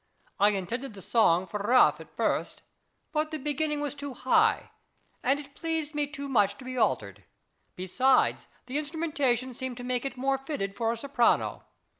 I intended the song for Raaff at first, but the beginning was too high, and it pleased me too much to be altered; besides, the instrumentation seemed to make it more fitted for a soprano.